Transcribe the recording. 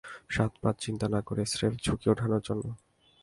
সাত-পাঁচ চিন্তা না করে, স্রেফ ঝুঁকি ওঠানোর জন্য।